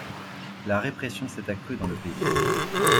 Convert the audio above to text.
La répression s'est accrue dans le pays.